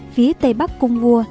phía tây bắc cung vua